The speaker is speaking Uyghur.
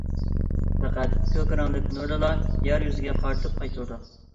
پەقەت كۆك رەڭلىك نۇرنىلا يەر يۈزىگە قارىتىپ قايتۇرىدۇ.